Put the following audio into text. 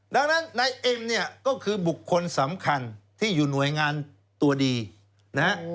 ดังนั้นนายเอ็มเนี่ยก็คือบุคคลสำคัญที่อยู่หน่วยงานตัวดีนะฮะ